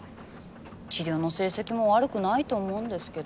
治療の成績も悪くないと思うんですけど。